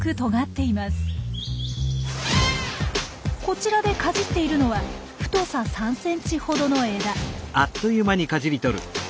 こちらでかじっているのは太さ３ｃｍほどの枝。